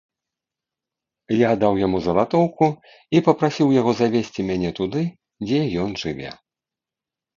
Я даў яму залатоўку і папрасіў яго завесці мяне туды, дзе ён жыве.